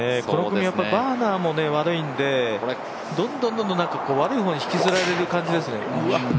この組、やっぱりバーナーも悪いんで、どんどん、悪い方に引きずられる感じです。